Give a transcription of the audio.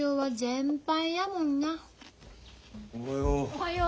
おはよう。